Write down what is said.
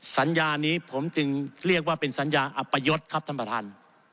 สัญญานี้ผมจึงเรียกว่าเป็นสัญญาอัปยศครับท่านประธาน